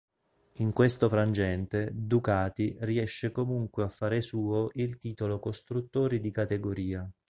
In questo frangente Ducati riesce comunque a fare suo il titolo costruttori di categoria.